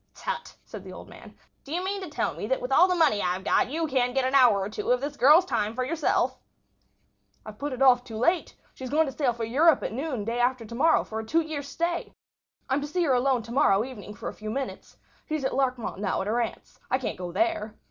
"Tut!" said the old man. "Do you mean to tell me that with all the money I've got you can't get an hour or two of a girl's time for yourself?" "I've put it off too late. She's going to sail for Europe at noon day after to morrow for a two years' stay. I'm to see her alone to morrow evening for a few minutes. She's at Larchmont now at her aunt's. I can't go there.